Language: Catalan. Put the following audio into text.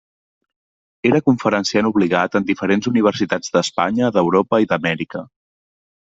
Era conferenciant obligat en diferents Universitats d'Espanya, d'Europa i d'Amèrica.